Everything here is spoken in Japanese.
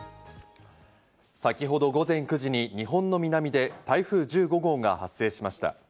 先ほど午前９時に日本の南で台風１５号が発生しました。